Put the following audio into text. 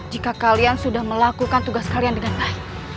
jika kalian sudah melakukan tugas kalian dengan baik